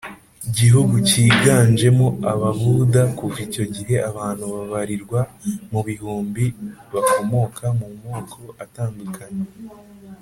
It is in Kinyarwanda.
Gihugu cyiganjemo ababuda kuva icyo gihe abantu babarirwa mu bihumbi bakomoka mu moko atandukanye